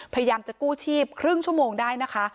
พยายามจะกู้ชีพครึ่งชั่วโมงได้นะคะ